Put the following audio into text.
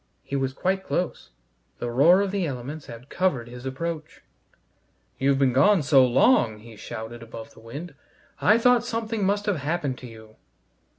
He was quite close. The roar of the elements had covered his approach. "You've been gone so long," he shouted above the wind, "I thought something must have happened to you."